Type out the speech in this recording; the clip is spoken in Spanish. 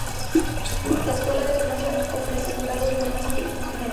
La escuela de farmacia ofrece grados de farmacia y biotecnología.